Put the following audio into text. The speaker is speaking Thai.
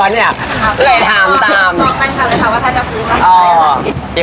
บอกมันคำเลยครับว่าถ้าจะซื้อคำใส่อะไร